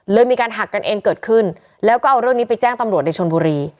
มีการหักกันเองเกิดขึ้นแล้วก็เอาเรื่องนี้ไปแจ้งตำรวจในชนบุรี